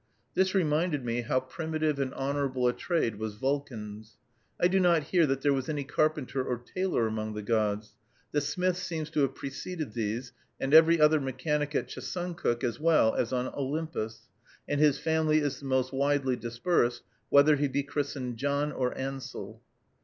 This reminded me how primitive and honorable a trade was Vulcan's. I do not hear that there was any carpenter or tailor among the gods. The smith seems to have preceded these and every other mechanic at Chesuncook as well as on Olympus, and his family is the most widely dispersed, whether he be christened John or Ansell.